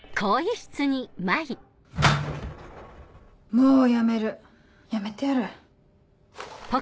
もう辞める！辞めてやる。